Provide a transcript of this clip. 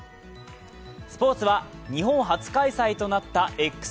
スポーツは日本初開催となったＸＧａｍｅｓ。